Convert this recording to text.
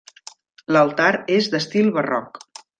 L'altar és d'estil barroc.